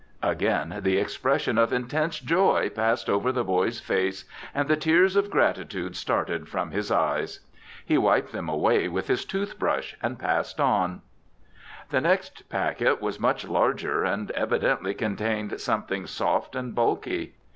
Again the expression of intense joy passed over the boy's face, and the tears of gratitude started from his eyes. He wiped them away with his tooth brush and passed on. The next packet was much larger and evidently contained something soft and bulky.